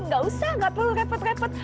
nggak usah nggak perlu repot repot